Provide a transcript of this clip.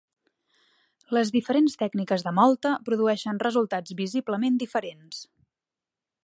Les diferents tècniques de mòlta produeixen resultats visiblement diferents.